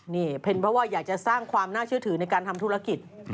นี่เป็นเพราะว่าอยากจะสร้างความน่าเชื่อถือในการทำธุรกิจ